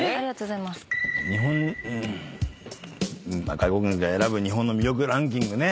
外国人が選ぶ日本の魅力ランキングね。